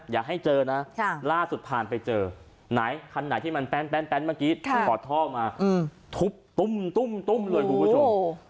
อย่าให้เจอนะล่าสุดผ่านไปเจอไหนคันไหนที่มันแป้นเมื่อกี้ถอดท่อมาทุบตุ้มเลยคุณผู้ชม